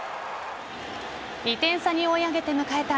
２点差に追い上げて迎えた